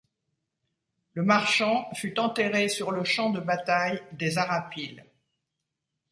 Le Marchant fut enterré sur le champ de bataille des Arapiles.